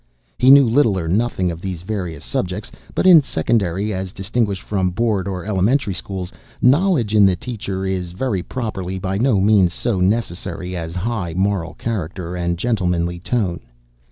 He knew little or nothing of these various subjects, but in secondary as distinguished from Board or elementary schools, knowledge in the teacher is, very properly, by no means so necessary as high moral character and gentlemanly tone.